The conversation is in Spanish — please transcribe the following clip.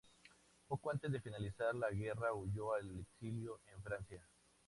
Poco antes de finalizar la guerra huyó al exilio en Francia.